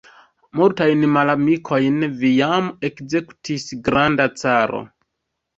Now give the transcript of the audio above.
Multajn malamikojn vi jam ekzekutis, granda caro.